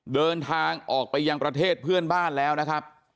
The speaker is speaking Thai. เดินทางออกไปยังประเทศเพื่อนบ้านแล้วนะครับ